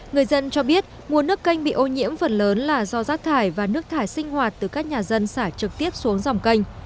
người dân cho biết nguồn nước canh bị ô nhiễm phần lớn là do rác thải và nước thải sinh hoạt từ các nhà dân xả trực tiếp xuống dòng canh